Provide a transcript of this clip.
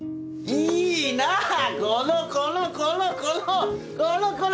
このこのこのこのこのこの！